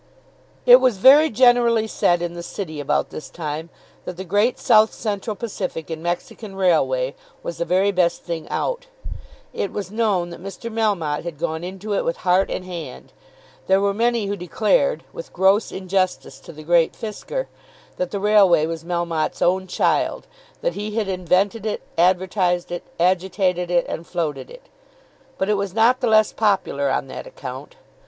It was very generally said in the city about this time that the Great South Central Pacific and Mexican Railway was the very best thing out. It was known that Mr. Melmotte had gone into it with heart and hand. There were many who declared, with gross injustice to the Great Fisker, that the railway was Melmotte's own child, that he had invented it, advertised it, agitated it, and floated it; but it was not the less popular on that account.